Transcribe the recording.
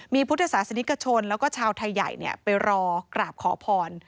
มีพุทธศาสนิกชนแล้วก็ชาวไทยใหญ่ไปรอกราบขอพร